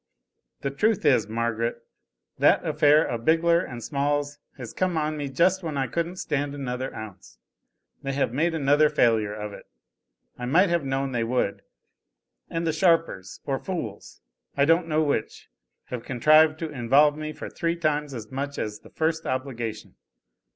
"The truth is, Margaret, that affair of Bigler and Small's has come on me just when I couldn't stand another ounce. They have made another failure of it. I might have known they would; and the sharpers, or fools, I don't know which, have contrived to involve me for three times as much as the first obligation.